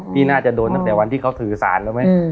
พี่น่าจะโดนตั้งแต่วันที่เขาถือสารแล้วไหม